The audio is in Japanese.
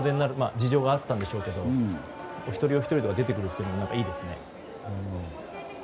事情があったんでしょうけどお一人お一人で出てくるのも何かいいですね。